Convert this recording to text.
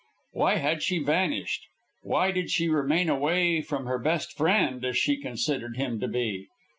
Why had she vanished? Why did she remain away from her best friend, as she considered him to be?